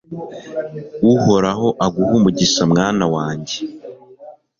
uhoraho aguhe umugisha, mwana wanjye